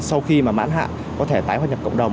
sau khi mà mãn hạ có thể tái hoạt nhập cộng đồng